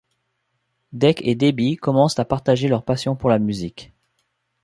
Deke et Debbie commencent à partager leur passion pour la musique.